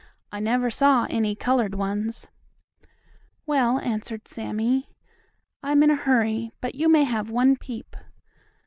I never saw any colored ones." "Well," answered Sammie, "I am in a hurry, but you may have one peep."